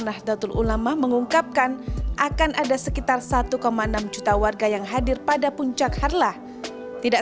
nahdlatul ulama mengungkapkan akan ada sekitar satu enam juta warga yang hadir pada puncak harlah tidak